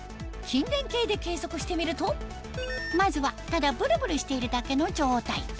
筋電計で計測してみるとまずはただブルブルしているだけの状態